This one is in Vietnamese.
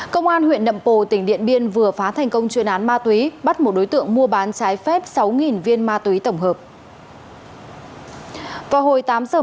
công an huyện nậm pồ tỉnh điện biên vừa phá thành công chuyên án ma túy bắt một đối tượng mua bán trái phép sáu viên ma túy tổng hợp